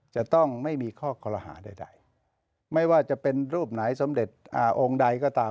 จะต้องไม่มีข้อคอรหาใดไม่ว่าจะเป็นรูปไหนสมเด็จองค์ใดก็ตาม